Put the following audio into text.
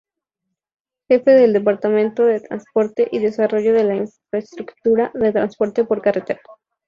Jefe del Departamento de Transporte y Desarrollo de la infraestructura de transporte por carretera.